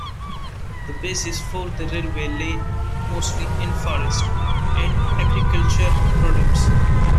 The basis for the railway lay mostly in forest and agriculture products.